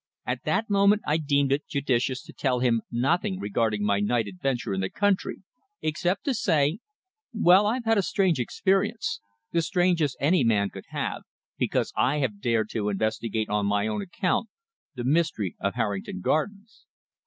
At that moment I deemed it judicious to tell him nothing regarding my night adventure in the country, except to say: "Well, I've had a strange experience the strangest any man could have, because I have dared to investigate on my own account the mystery of Harrington Gardens."